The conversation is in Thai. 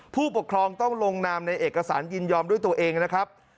ผู้ปกครองต้องลงนามในเอกสารยินยอมด้วยตัวเองนะครับ